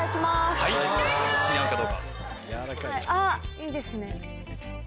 あっいいですね。